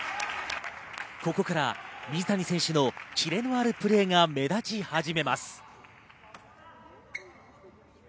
ここから水谷選手のキレのあるプレーが目立ち始めます。